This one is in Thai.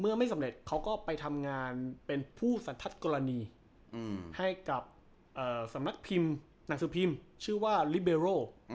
ไม่สำเร็จเขาก็ไปทำงานเป็นผู้สันทัศน์กรณีให้กับสำนักพิมพ์หนังสือพิมพ์ชื่อว่าลิเบโร